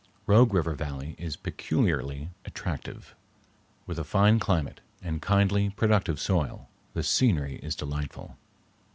Rogue River Valley is peculiarly attractive. With a fine climate, and kindly, productive soil, the scenery is delightful.